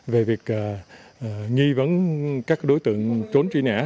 về việc nghi vấn các đối tượng trốn truy nã